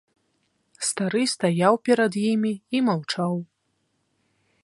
Стары стаяў перад імі і маўчаў.